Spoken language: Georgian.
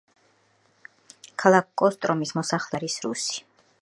ქალაქ კოსტრომის მოსახლეობის ძირითადი ნაწილი არის რუსი.